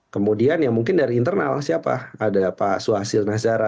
kemudian ya mungkin dari internal siapa ada pak suhasil nazara